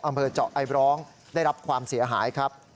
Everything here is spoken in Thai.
อำเภอเจาะไอบร้องได้รับความเสียหายครับ